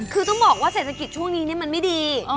คือต้องบอกว่าเศรษฐกิจช่วงนี้มันไม่ดี